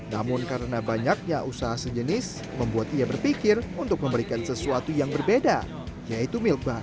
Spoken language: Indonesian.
namun karena banyaknya usaha sejenis membuat ia berpikir untuk memberikan sesuatu yang berbeda yaitu milk bun